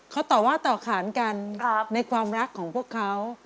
เขาต่อว่าต่อขานกันในความรักของพวกเขา